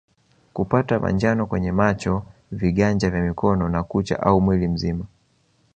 Kupata manjano kwenye macho vinganja vya mikono na kucha au mwili mzima